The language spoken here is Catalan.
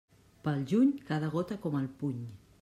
Pel juny, cada gota, com el puny.